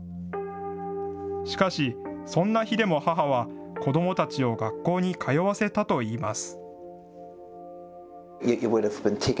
しかし、そんな日でも母は子どもたちを学校に通わせたといいます。